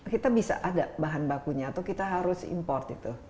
kita bisa ada bahan bakunya atau kita harus impor itu